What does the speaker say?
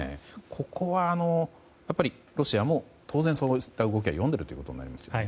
ここはロシアも当然、動きを読んでいるということになりますね。